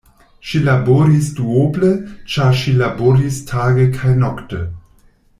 Ŝi laboris duoble, ĉar ŝi laboris tage kaj nokte.